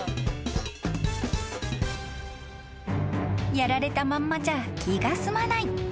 ［やられたまんまじゃ気が済まない］